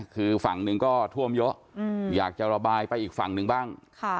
คือฝั่งหนึ่งก็ท่วมเยอะอยากจะระบายไปอีกฝั่งหนึ่งบ้าง